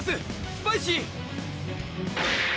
スパイシー！